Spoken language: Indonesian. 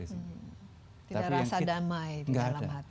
tidak rasa damai di dalam hati